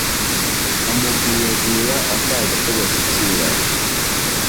amuguyaguya ashaka ko bashyikirana.